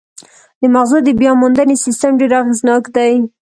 د مغزو د بیاموندنې سیستم ډېر اغېزناک دی.